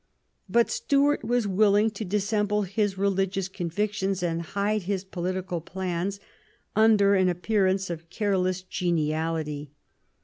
But Stuart was willing to dissemble his religious convictions, and hide his political plans under an appearance of careless geniality.